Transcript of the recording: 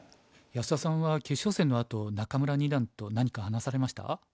安田さんは決勝戦のあと仲邑二段と何か話されました？